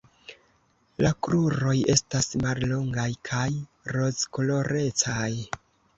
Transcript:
La kruroj estas mallongaj kaj rozkolorecaj.